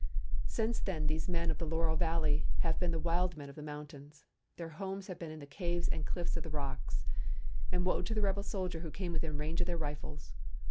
"Since then these men of the Laurel Valley have been the wild men of the mountains. Their homes have been in the caves and cliffs of the rocks, and woe to the rebel soldier who came within range of their rifles.